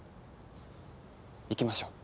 行きましょう。